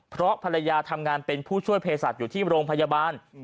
เพราะภรรยาทำงานเป็นผู้ช่วยเพศสัตว์อยู่ที่โรงพยาบาล